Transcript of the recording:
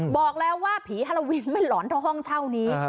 บอกแล้วว่าผีฮาลาวินไม่หลอนเท่าห้องเช่านี้